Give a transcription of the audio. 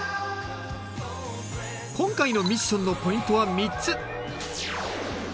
今回のミッションのポイントは３つ。